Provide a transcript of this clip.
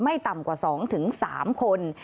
ต่ำกว่า๒๓คน